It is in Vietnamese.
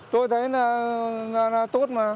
tôi thấy là tốt mà